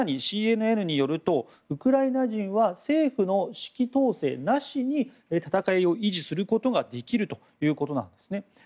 更に、ＣＮＮによるとウクライナ人は政府の指揮統制なしに戦いを維持することができるということなんですね。